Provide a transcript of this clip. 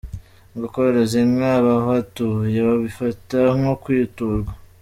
Ngo koroza inka abahatuye babifata nko kwiturwa.